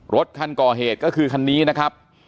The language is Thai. รถคันก่อเหตุก็คือคันนี้นะครับ